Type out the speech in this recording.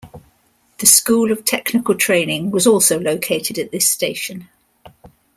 The School of Technical Training was also located at this station.